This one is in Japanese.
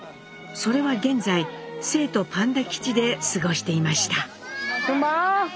それは現在成都パンダ基地で過ごしていました。